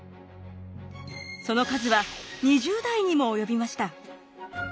その数は２０台にも及びました。